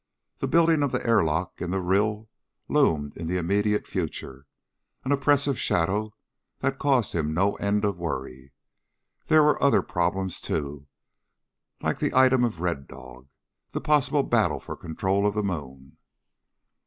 The building of the airlock in the rill loomed in the immediate future an oppressive shadow that caused him no end of worry. There were other problems, too like the item of Red Dog ... the possible battle for control of the moon.